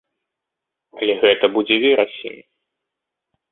Але гэта будзе верасень.